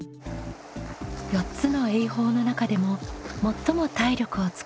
４つの泳法の中でも最も体力を使うバタフライ。